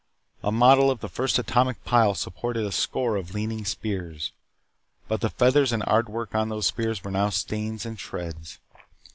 A model of the first atomic pile supported a score of leaning spears, but the feathers and artwork on those spears were now stains and shreds.